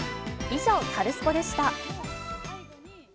以上、カルスポっ！でした。